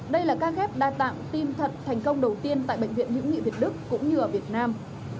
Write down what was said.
đây là ca ghép đa tạng tim thật thành công đầu tiên tại bệnh viện hữu nghị việt đức cũng như ở việt nam